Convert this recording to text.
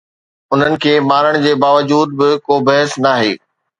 انهن کي مارڻ جي باوجود به ڪو بحث ناهي.